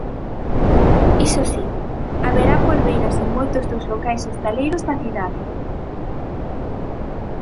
Iso si, haberá polbeiras en moitos dos locais hostaleiros da cidade.